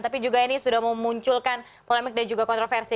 tapi juga ini sudah memunculkan polemik dan juga kontroversi